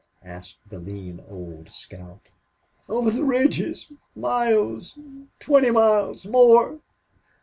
asked the lean old scout. "Over the ridges miles twenty miles more.